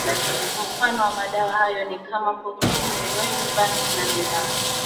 Mfano wa madawa hayo ni kama kokaini heroini bangi na miraa